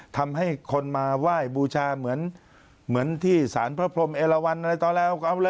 ทำให้คนมาไหว้บูชาเหมือนที่สารพระพรมเอลวันอะไรต่อแล้ว